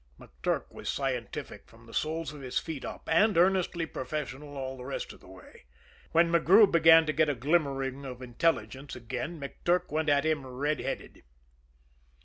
McTurk was scientific from the soles of his feet up, and earnestly professional all the rest of the way. When McGrew began to get a glimmering of intelligence again, McTurk went at him red headed.